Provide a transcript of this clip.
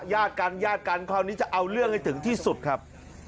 ญาติกันญาติกันคราวนี้จะเอาเรื่องให้ถึงที่สุดครับ